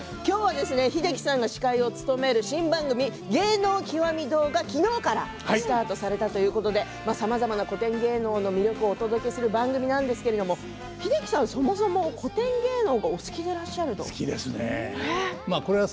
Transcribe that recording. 今日は英樹さんが司会を務める新番組「芸能きわみ堂」が昨日からスタートされたということでさまざまな古典芸能の魅力をお届けする番組ですが英樹さんはそもそも古典芸能が好きですね。